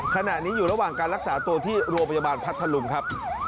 ขณะนี้อยู่ระหว่างการรักษาตัวที่โรงพยาบาลพัทธลุงครับ